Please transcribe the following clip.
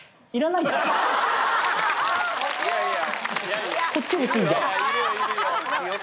いやいや。